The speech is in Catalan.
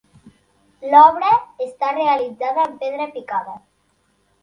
L'obra està realitzada amb pedra picada.